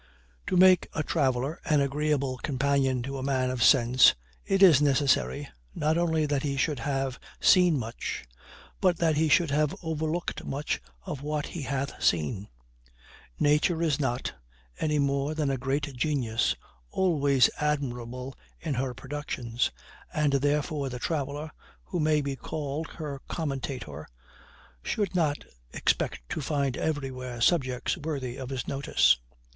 To make a traveler an agreeable companion to a man of sense, it is necessary, not only that he should have seen much, but that he should have overlooked much of what he hath seen. Nature is not, any more than a great genius, always admirable in her productions, and therefore the traveler, who may be called her commentator, should not expect to find everywhere subjects worthy of his notice.